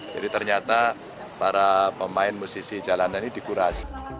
jadi ternyata para pemain musisi jalanan ini dikurasi